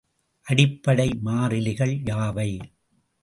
அடிப்படை மாறிலிகள் யாவை?